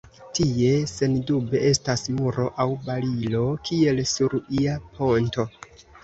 Tie sendube estas muro aŭ barilo, kiel sur ia ponto